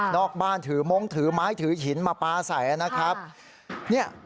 อกบ้านถือมงถือไม้ถือหินมาปลาใส่นะครับเนี่ย